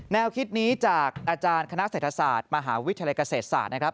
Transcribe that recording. แนวคิดนี้จากอาจารย์คณะเศรษฐศาสตร์มหาวิทยาลัยเกษตรศาสตร์นะครับ